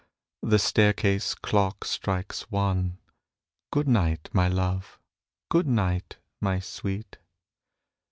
The staircase clock strikes one. Good night, my love! good night, my sweet!